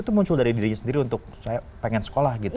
itu muncul dari dirinya sendiri untuk saya pengen sekolah gitu